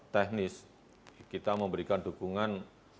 teknis kita memberikan dukungan